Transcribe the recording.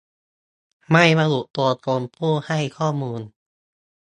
ไม่ระบุตัวตนผู้ให้ข้อมูล